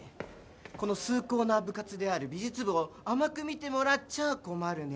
この崇高な部活である美術部を甘く見てもらっちゃあ困るね。